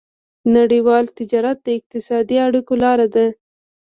نړيوال تجارت د اقتصادي اړیکو لاره ده.